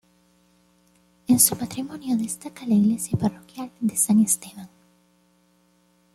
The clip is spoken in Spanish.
En su patrimonio destaca la iglesia parroquial de San Esteban.